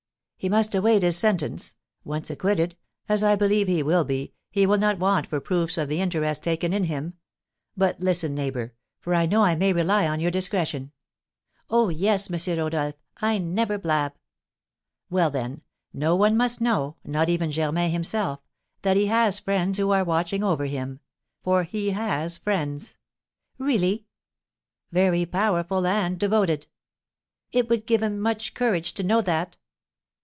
"He must await his sentence. Once acquitted, as I believe he will be, he will not want for proofs of the interest taken in him. But listen, neighbour; for I know I may rely on your discretion." "Oh, yes, M. Rodolph, I never blab." "Well, then, no one must know not even Germain himself that he has friends who are watching over him, for he has friends." "Really!" "Very powerful and devoted." "It would give him much courage to know that."